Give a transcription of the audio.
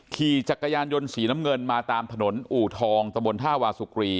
ขี่จักรยานยนต์สีน้ำเงินมาตามถนนอู่ทองตะบนท่าวาสุกรี